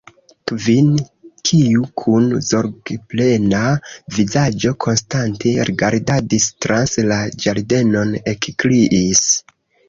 Kvin, kiu kun zorgplena vizaĝo konstante rigardadis trans la ĝardenon, ekkriis.